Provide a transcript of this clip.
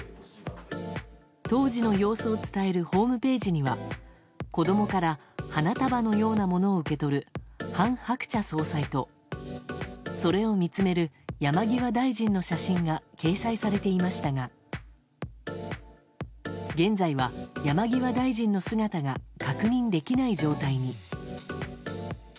当時の様子を伝えるホームページには子供から花束のようなものを受け取る韓鶴子総裁とそれを見つめる山際大臣の写真が掲載されていましたが現在は、山際大臣の姿が確認できない状態に。